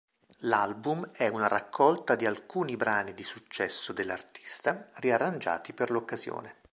L'album è una raccolta di alcuni brani di successo dell'artista, riarrangiati per l'occasione.